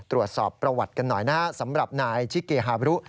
ตรวจสอบประวัติกันหน่อยนะฮะสำหรับนายชิเกฮาบรุ